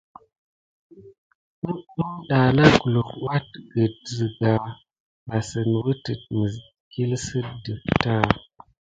Nudum dana kulu adegue sika va sit wute mis tikile si defeta.